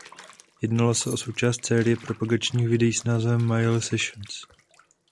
Jednalo se o součást série propagačních videí s názvem Miley Sessions.